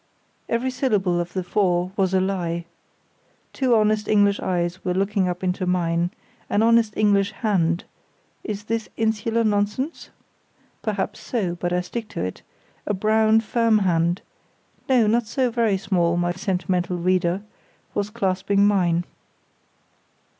Every syllable of the four was a lie. Two honest English eyes were looking up into mine; an honest English hand—is this insular nonsense? Perhaps so, but I stick to it—a brown, firm hand—no, not so very small, my sentimental reader—was clasping mine.